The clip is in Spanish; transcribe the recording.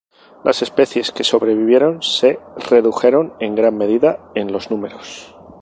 Las especies que sobrevivieron se redujeron en gran medida en los números.